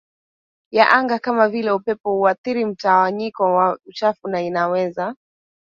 ya anga kama vile upepo huathiri mtawanyiko wa uchafu na inaweza